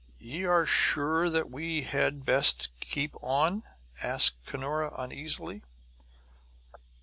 "Ye are sure that we had best keep on?" asked Cunora uneasily.